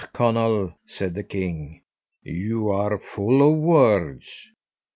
Conall," said the king, "you are full of words.